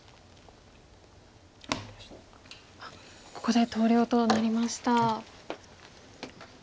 ここで投了となりました。